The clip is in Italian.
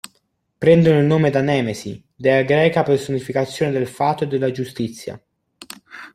Prendono il nome da Nemesi, dea greca personificazione del fato e della giustizia.